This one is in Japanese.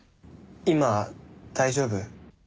今大丈夫？